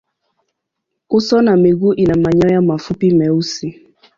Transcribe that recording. Uso na miguu ina manyoya mafupi meusi.